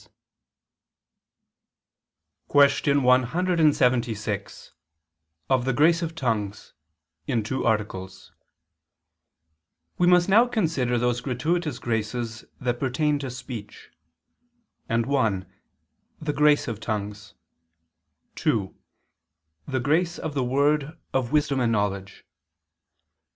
_______________________ QUESTION 176 OF THE GRACE OF TONGUES (In Two Articles) We must now consider those gratuitous graces that pertain to speech, and (1) the grace of tongues; (2) the grace of the word of wisdom and knowledge.